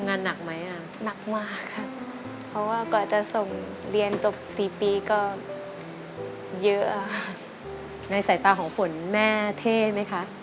ในสายตาของฝนแม่เท่ไหมคะ